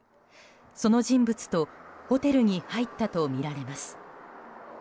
その人物とホテルに入ったとみられます。